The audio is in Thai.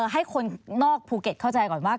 ให้คนนอกภูเก็ตเข้าใจก่อนว่า